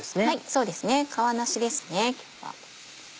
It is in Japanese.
そうですね皮なしです今日は。